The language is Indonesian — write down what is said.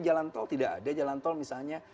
jalan tol tidak ada jalan tol misalnya